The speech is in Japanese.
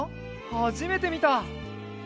はじめてみた！